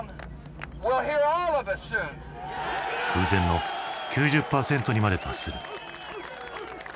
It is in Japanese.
空前の９０％にまで達する。